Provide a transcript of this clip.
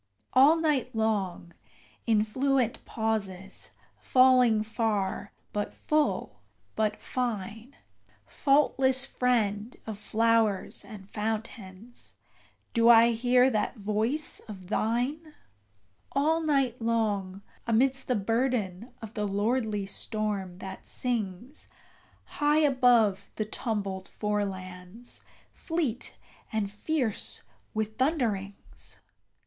All night long, in fluent pauses, falling far, but full, but fine, Faultless friend of flowers and fountains, do I hear that voice of thine All night long, amidst the burden of the lordly storm, that sings High above the tumbled forelands, fleet and fierce with thunderings!